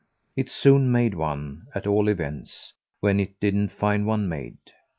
It soon made one, at all events, when it didn't find one made.